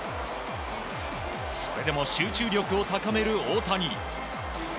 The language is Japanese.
それでも集中力を高める大谷。